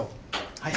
はい。